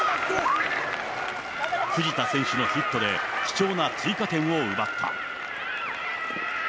藤田選手のヒットで、貴重な追加点を奪った。